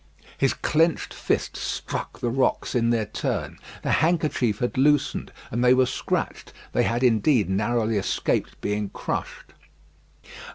His clenched fists struck the rocks in their turn; the handkerchief had loosened, and they were scratched; they had indeed narrowly escaped being crushed.